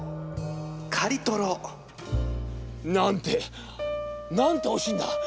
カリとろ。なんてなんておいしいんだ！